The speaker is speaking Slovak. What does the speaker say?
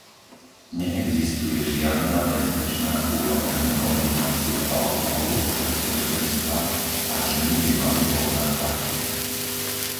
Neexistuje žiadna bezpečná úroveň konzumácie alkoholu počas tehotenstva a ženy by mali poznať fakty.